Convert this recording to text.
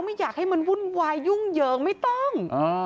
ไม่อยากให้มันวุ่นวายยุ่งเหยิงไม่ต้อง